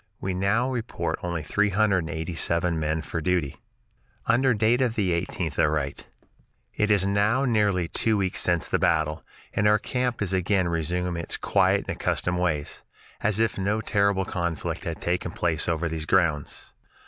We now report only three hundred and eighty seven men for duty. Under date of the 18th I write: "It is now nearly two weeks since the battle, and our camp is again resuming its quiet and accustomed ways, as if no terrible conflict had taken place over these grounds.